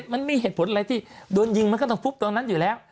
มันมีเหตุผลอะไรที่โดนยิงมันก็ต้องฟุบตรงนั้นอยู่แล้ว